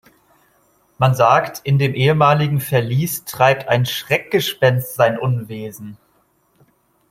Man sagt, in dem ehemaligen Verlies treibt ein Schreckgespenst sein Unwesen.